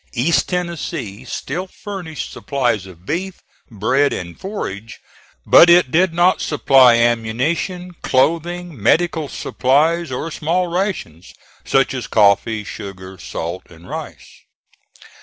East Tennessee still furnished supplies of beef, bread and forage, but it did not supply ammunition, clothing, medical supplies, or small rations, such as coffee, sugar, salt and rice.